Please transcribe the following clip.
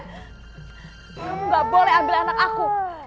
kamu gak boleh ambil anak aku